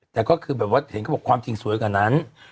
แต่ก็คือเค้าบอกความจริงสวยกว่านั้น